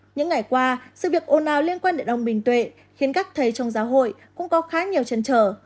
những ngày qua sự việc ồn ào liên quan đến ông bình tuệ khiến các thầy trong giáo hội cũng có khá nhiều chân trở